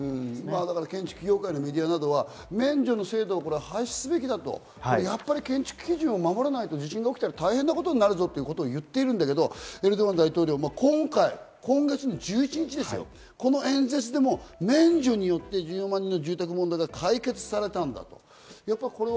建築業界のメディアなどは免除の制度を廃止すべきだと、建築基準を守らないと地震が起きたら大変なことになると言っているけれど、大統領は今回、今月１１日です、この演説でも免除によって１４万人の問題が解決されたと。